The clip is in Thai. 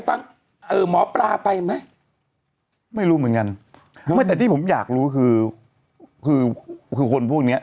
ฟังหมอปลาไปไหมไม่รู้เหมือนงั้นที่ผมอยากรู้คือคนพวกเนี้ย